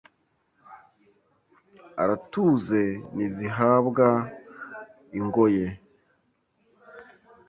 Aratuze ntizihabwa ingoye